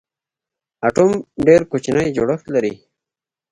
اټوم ډېر کوچنی جوړښت لري.